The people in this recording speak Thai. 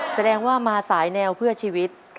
แสดงว่ามาสายแนวเพื่อชีวิต